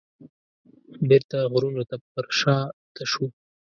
بیرته غرونو ته پرشاته شو.